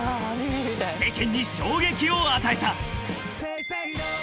［世間に衝撃を与えた］